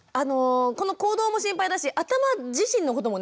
この行動も心配だし頭自身のこともね心配ですよね。